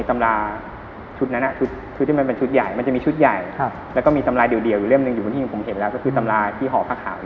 มันจะมีมีชุดใหญ่และมีตำราก็เดียวอยู่ที่ผมเห็นแล้วก็คือตำราที่หอประขาว